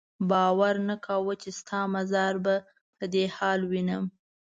ما باور نه کاوه چې ستا مزار به په دې حال وینم.